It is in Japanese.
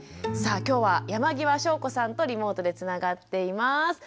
さあ今日は山際翔子さんとリモートでつながっています。